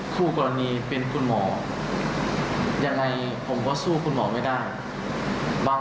คู่กรณีเป็นคุณหมอยังไงผมก็สู้คุณหมอไม่ได้บาง